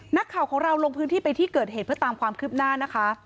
นักข่าวของเราลงพื้นที่ไปที่เกิดเหตุเพื่อตามความคืบหน้านะคะ